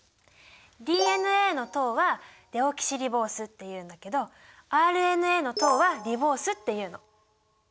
ＤＮＡの糖は「デオキシリボース」っていうんだけどＲＮＡの糖は「リボース」っていうの。